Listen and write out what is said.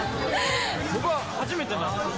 僕は初めてなんですよ。